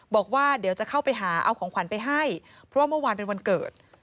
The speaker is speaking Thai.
บอกว่าเดี๋ยวจะเข้าไปหาเอาของขวัญไปให้เพราะว่าเมื่อวานเป็นวันเกิด